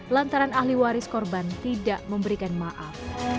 lantaran ahli waris korban tidak memberikan maaf